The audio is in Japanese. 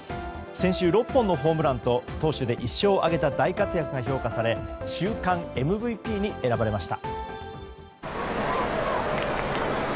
先週６本のホームランと投手で１勝を挙げた大活躍が評価され週間ＭＶＰに選ばれました。